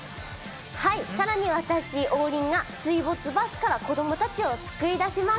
さらに私、王林が水没バスから子供たちを救い出します。